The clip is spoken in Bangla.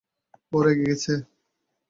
ও রেগে গেছে?